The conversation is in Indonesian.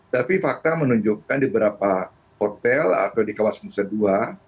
tapi fakta menunjukkan di beberapa hotel atau di kawasan kedua